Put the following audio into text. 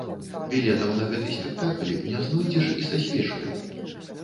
Білетаў на гэты спектакль не знойдзеш і са свечкаю.